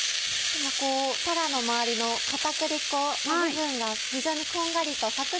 たらの周りの片栗粉の部分が非常にこんがりとサクっと。